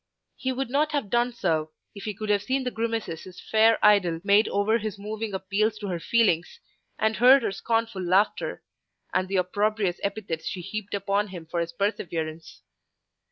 He would not have done so if he could have seen the grimaces his fair idol made over his moving appeals to her feelings, and heard her scornful laughter, and the opprobrious epithets she heaped upon him for his perseverance.